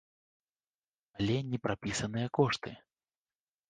Але не прапісаныя кошты.